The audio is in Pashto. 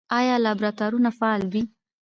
آیا لابراتوارونه فعال دي؟